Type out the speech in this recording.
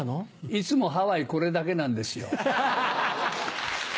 いつもハワイこれだけなんですよ。